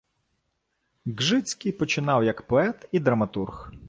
Ґжицький починав як поет і драматург.